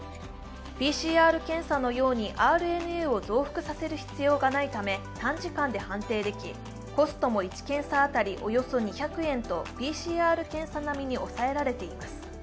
ＰＣＲ検査のようにＲＮＡを増幅させる必要がないため、短時間で判定ができ、コストも１時間当たりおよそ２００円とＰＣＲ検査並みに抑えられています。